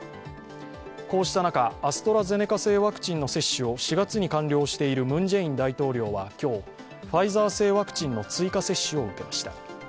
こうした中、アストラゼネカ製ワクチンの接種を４月に完了しているムン・ジェイン大統領は今日、ファイザー製ワクチンの追加接種を受けました。